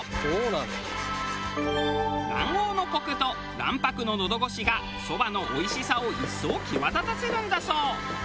卵黄のコクと卵白の喉越しがそばのおいしさを一層際立たせるんだそう。